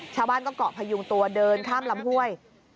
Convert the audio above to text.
ชาวบ้านก็เกาะพยุงตัวเดินข้ามลำห้วย